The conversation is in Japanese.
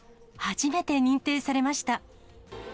初めて認定されました。